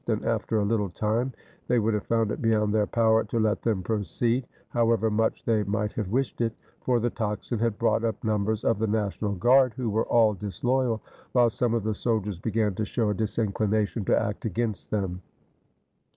And after a little time they would have found it beyond their power to let them proceed, however much they might have wished it; for the tocsin had brought up numbers of the National Guard, who were all disloyal; while some of the soldiers began to show a disinclination to act against them.